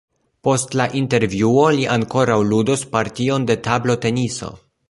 Post la intervjuo li ankoraŭ ludos partion de tabloteniso.